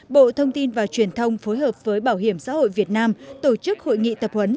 bộ thông tin và truyền thông phối hợp với bảo hiểm xã hội việt nam tổ chức hội nghị tập huấn